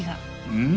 うん？